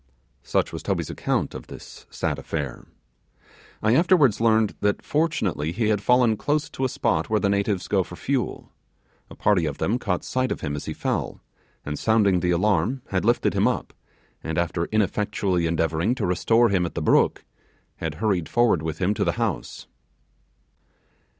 Such was Toby's account of this sad affair. I afterwards learned that, fortunately, he had fallen close to a spot where the natives go for fuel. A party of them caught sight of him as he fell, and sounding the alarm, had lifted him up; and after ineffectually endeavouring to restore him at the brook, had hurried forward with him to the house.